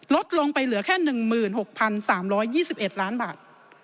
ลดลงไปเหลือแค่๑๖๓๒๑ล้านบาท